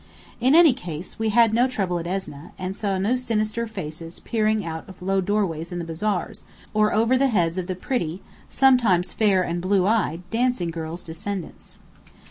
In any case, we had no trouble at Esneh, and saw no sinister faces peering out of low doorways in the bazaars, or over the heads of the pretty (sometimes fair and blue eyed) dancing girls' descendants.